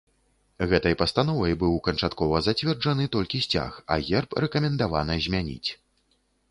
Гэтай пастановай быў канчаткова зацверджаны толькі сцяг, а герб рэкамендавана змяніць.